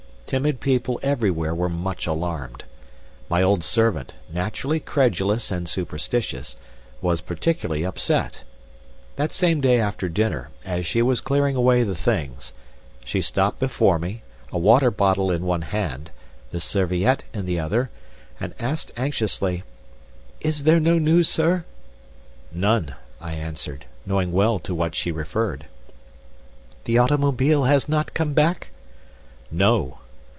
Timid people everywhere were much alarmed. My old servant, naturally credulous and superstitious, was particularly upset. That same day after dinner, as she was clearing away the things, she stopped before me, a water bottle in one hand, the serviette in the other, and asked anxiously, "Is there no news, sir?" "None," I answered, knowing well to what she referred. "The automobile has not come back?" "No."